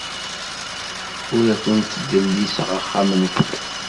Ur awent-ttdelliseɣ axxam-nwent.